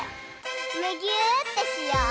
むぎゅーってしよう！